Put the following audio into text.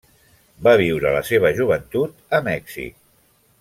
Va viure la seva joventut a Mèxic.